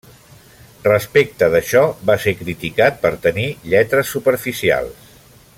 Respecte d'això, va ser criticat per tenir lletres superficials.